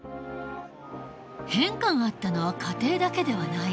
変化があったのは家庭だけではない。